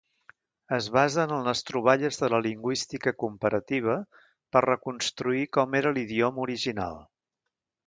Es basen en les troballes de la lingüística comparativa per reconstruir com era l'idioma original.